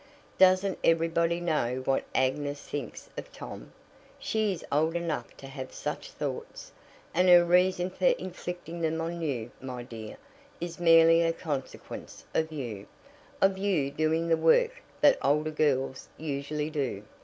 "Doesn't everybody know what Agnes thinks of Tom? She is old enough to have such thoughts, and her reason for inflicting them on you, my dear, is merely a consequence of you of you doing the work that older girls usually do.